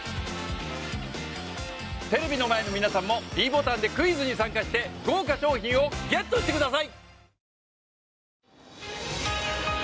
テレビの前の皆さんもｄボタンでクイズに参加して豪華賞品をゲットしてください！